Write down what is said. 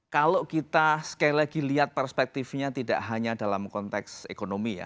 kalau kita sekali lagi lihat perspektifnya tidak hanya dalam konteks ekonomi ya